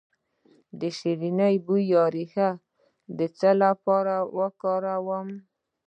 د شیرین بویې ریښه د څه لپاره وکاروم؟